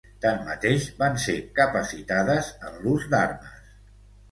Tanmateix, van ser capacitades en l'ús d'armes.